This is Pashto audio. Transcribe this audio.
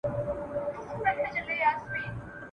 زه تر شمعې سینه وړمه له پیمان سره همزولی !.